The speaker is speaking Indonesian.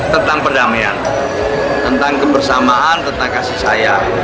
tentang perdamaian tentang kebersamaan tentang kasih sayang